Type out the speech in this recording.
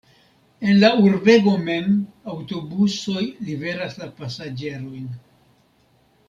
En la urbego mem aŭtobusoj liveras la pasaĝerojn.